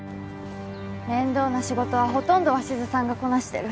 面倒な仕事はほとんど鷲津さんがこなしてる。